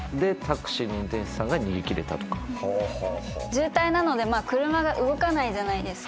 渋滞なので車が動かないじゃないですか。